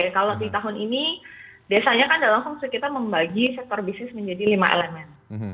kalau di tahun ini desanya kan langsung kita membagi sektor bisnis menjadi lima elemen